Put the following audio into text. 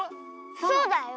そうだよ。